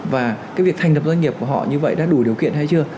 và cái việc thành lập doanh nghiệp của họ như vậy đã đủ điều kiện hay chưa